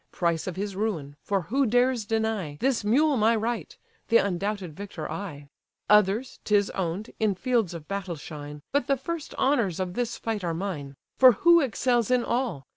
(Price of his ruin: for who dares deny This mule my right; the undoubted victor I) Others, 'tis own'd, in fields of battle shine, But the first honours of this fight are mine; For who excels in all?